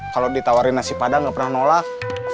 kalau ditawarin nasi padang nggak pernah nolak